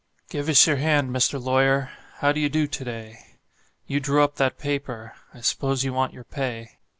"GIVE US YOUR HAND, MR. LAWYER: HOW DO YOU DO TO DAY?" You drew up that paper I s'pose you want your pay.